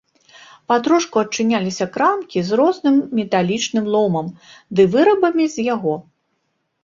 Патрошку адчыняліся крамкі з розным металічным ломам ды вырабамі з яго.